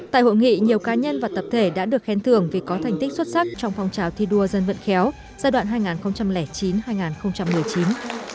tại hội nghị nhiều cá nhân và tập thể đã được khen thưởng vì có thành tích xuất sắc trong phong trào thi đua dân vận khéo giai đoạn hai nghìn chín hai nghìn một mươi chín